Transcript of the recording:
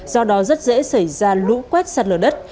do đó rất dễ xảy ra lũ quét sạt lở đất